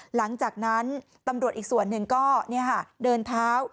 หลังจากนั้นตำรวจอีกส่วนหนึ่งก็เดินเท้า